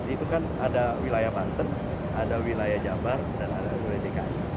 itu kan ada wilayah banten ada wilayah jabar dan ada wilayah dki